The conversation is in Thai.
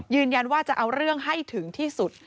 ยืนยันว่าจะเอาเรื่องให้ถึงที่สุด